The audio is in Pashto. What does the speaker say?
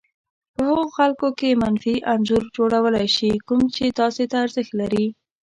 په هغو خلکو کې منفي انځور جوړولای شي کوم چې تاسې ته ارزښت لري.